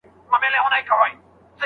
ځيني خلک د اولادونو تر منځ توپير نکوي.